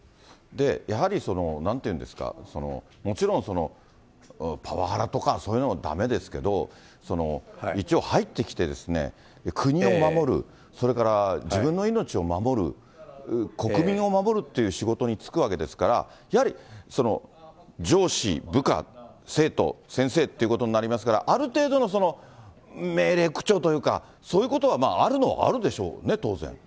やはりなんていうんですか、もちろん、パワハラとかそういうのだめですけど、一応、入ってきて、国を守る、それから自分の命を守る、国民を守るっていう仕事に就くわけですから、やはり上司、部下、生徒、先生ということになりますから、ある程度のその命令口調というか、そういうことはまあ、あるのはあるでしょうね、当然。